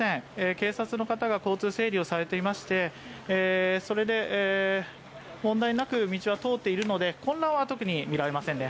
警察の方が交通整理をされていましてそれで問題なく通っているので、混乱は見られませんね。